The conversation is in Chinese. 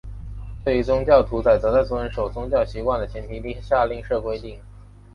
对于宗教屠宰则在遵守宗教习惯的前提下另设规定。